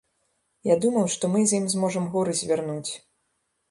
Я думаў, што мы з ім зможам горы звярнуць.